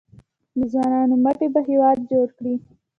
د ځوانانو مټې به هیواد جوړ کړي؟